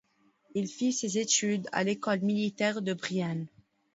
Il fit ses études à l'école militaire de Brienne.